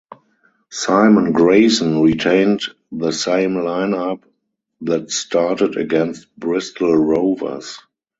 Simon Grayson retained the same lineup that started against Bristol Rovers.